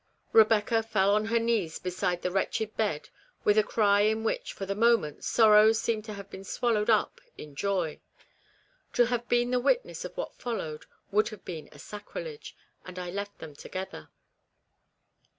Rebecca fell on her knees beside the wretched 224 REBECCAS REMORSE. bed with a cry in which, for the moment, sorrow seemed to have been swallowed up in joy. To have been the witness of what followed would have been a sacrilege, and I left them together.